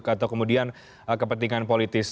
atau kemudian kepentingan politis